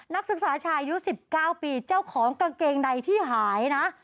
นักศึกษาชายุ๑๙ปีเจ้าของกางเกงใดที่หายนะ